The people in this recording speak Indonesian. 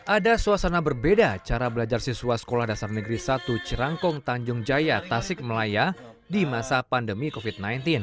ada suasana berbeda cara belajar siswa sekolah dasar negeri satu cirangkong tanjung jaya tasik melaya di masa pandemi covid sembilan belas